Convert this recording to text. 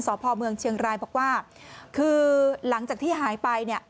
สพเมืองเชียงรายบอกว่าคือหลังจากที่หายไป